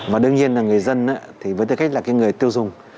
và đương nhiên là người dân thì với tư cách là cái người tiêu dùng